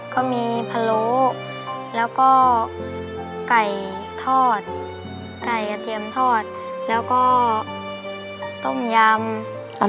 ก็มีพะโล้แล้วก็ไก่ทอดไก่กระเทียมทอดแล้วก็ต้มยำครับ